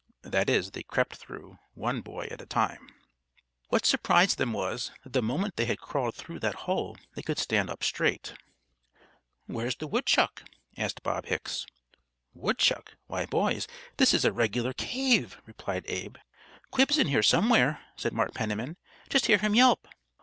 That is, they crept through, one boy at a time. What surprised them was, that the moment they had crawled through that hole they could stand up straight. "Where's the woodchuck?" asked Bob Hicks. "Woodchuck? Why, boys, this is a regular cave," replied Abe. "Quib's in there, somewhere," said Mart Penniman. "Just hear him yelp!"